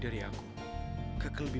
mamank laughing longer nih